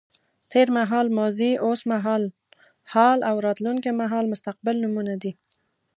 تېر مهال ماضي، اوس مهال حال او راتلونکی مهال مستقبل نومونه دي.